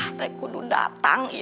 ketika dia datang ya allah